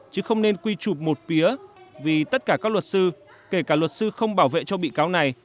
chứ không nên quy chụp một vía vì tất cả các luật sư kể cả luật sư không bảo vệ cho bị cáo này